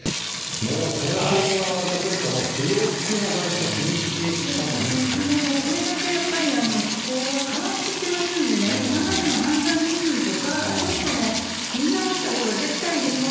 もうこれだけ気温が上がると、小西さん、不要不急の外出は禁止し本当、これだけもうやっぱり気候が変わってきてますんでね、今までの判断基準とかちょっとね、見直したほうが絶対いいです。